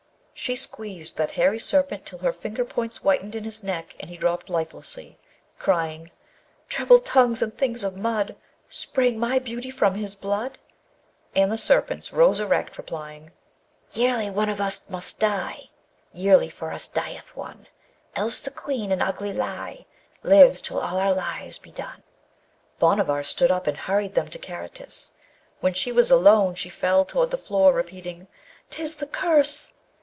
She squeezed that hairy serpent till her finger points whitened in his neck, and he dropped lifelessly, crying: Treble tongues and things of mud! Sprang my beauty from his blood? And the Serpents rose erect, replying: Yearly one of us must die; Yearly for us dieth one; Else the Queen an ugly lie Lives till all our lives be done! Bhanavar stood up, and hurried them to Karatis. When she was alone she fell toward the floor, repeating, ''Tis the Curse!'